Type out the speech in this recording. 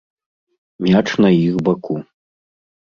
Мяч на іх баку.